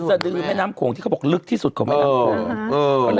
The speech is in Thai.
สดือแม่น้ำโขงที่เขาบอกลึกที่สุดของแม่น้ำโขง